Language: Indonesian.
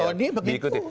pak tony begitu